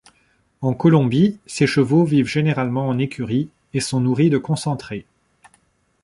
En Colombie, ces chevaux vivent généralement en écurie, et sont nourris de concentrés.